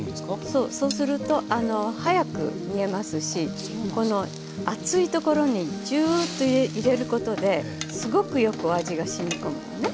そうそうすると早く煮えますしこの熱いところにジューッと入れることですごくよくお味がしみ込むのね。